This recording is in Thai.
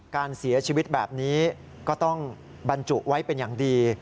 การเสียชีวิตแบบนี้ก็ต้องบรรจุไว้เป็นอย่างดี